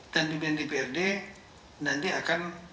dan pimpinan dprd nanti akan